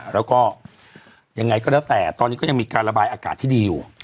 แล้วก็ยังไงก็แล้วแต่ตอนนี้ก็ยังมีการระบายอากาศที่ดีอยู่